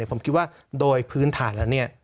ผมคิดว่าโดยพื้นฐานแล้ว